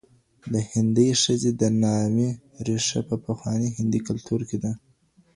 د هندۍ ښځي د نامې ریښه په پخواني هندي کلتور کي ده.